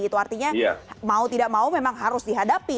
itu artinya mau tidak mau memang harus dihadapi